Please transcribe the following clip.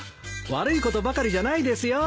悪いことばかりじゃないですよ。